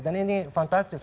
dan ini fantastis